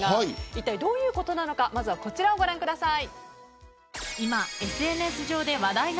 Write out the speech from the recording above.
いったいどういうことなのかまずは、こちらをご覧ください。